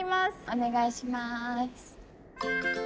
お願いします。